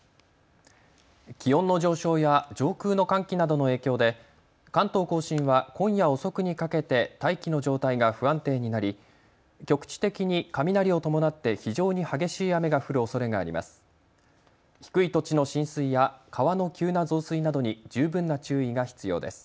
気温の上昇や上空の寒気などの影響で関東甲信は今夜遅くにかけて大気の状態が不安定になり、局地的に雷を伴って非常に激しい雨が降るおそれがあります。